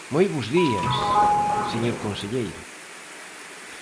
Moi bos días, señor conselleiro.